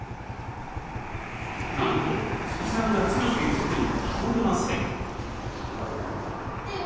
なんとさんが強く揺すっても倒れません。